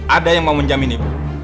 ada yang mau menjamin ibu